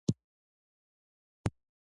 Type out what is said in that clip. هغوی لازم ګام وانخیست.